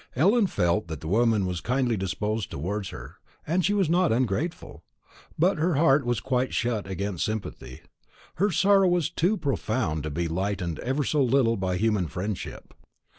Ellen felt that the woman was kindly disposed towards her, and she was not ungrateful; but her heart was quite shut against sympathy, her sorrow was too profound to be lightened ever so little by human friendship.